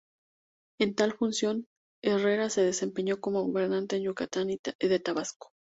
En tal función, Herrera se desempeñó como gobernante de Yucatán y de Tabasco.